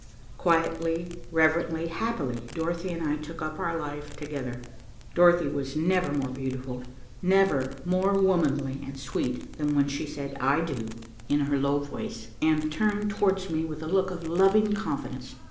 Quietly, reverently, happily, Dorothy and I took up our life together. Dorothy was never more beautiful, never more womanly and sweet than when she said "I do" in her low voice, and turned towards me with a look of loving confidence.